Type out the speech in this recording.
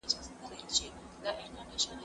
زه مخکي زدکړه کړې وه؟